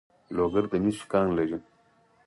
لوګر د مسو کان لري